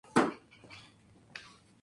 Esta medida ha suscitado aplausos y críticas.